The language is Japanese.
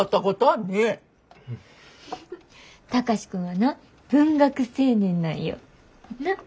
貴司君はな文学青年なんよ。なぁ？